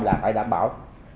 là phải đảm bảo